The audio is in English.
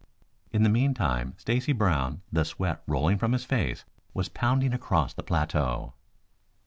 In the meantime Stacy Brown, the sweat rolling from his face, was pounding across the plateau.